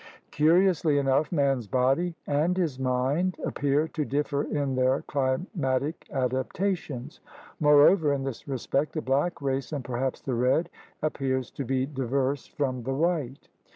Curiously enough man's body and his mind ap pear to differ in their climatic adaptations. More over, in this respect the black race, and perhaps the red, appears to be diverse from the white.